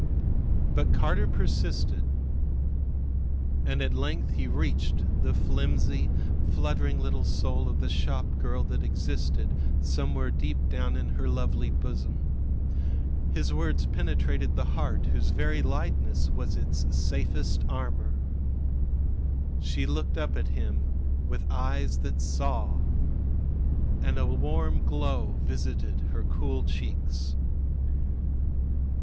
But Carter persisted. And at length he reached the flimsy, fluttering little soul of the shopgirl that existed somewhere deep down in her lovely bosom. His words penetrated the heart whose very lightness was its safest armor. She looked up at him with eyes that saw. And a warm glow visited her cool cheeks.